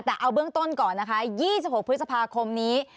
แต่เอาเบื้องต้นก่อนนะคะ๒๖พฤษภาคมนี้